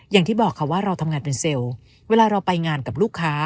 อย่างที่บอกค่ะว่าเราทำงานเป็นเซลล์เวลาเราไปงานกับลูกค้า